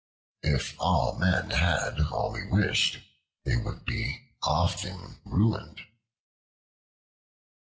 If men had all they wished, they would be often ruined.